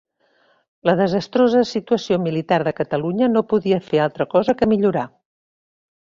La desastrosa situació militar de Catalunya no podia fer altra cosa que millorar.